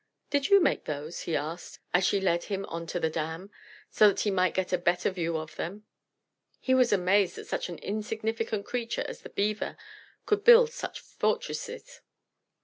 "Did you make those?" he asked, as she led him on to the dam, so that he might get a better view of them. He was amazed that such an insignificant creature as the beaver could build such fortresses.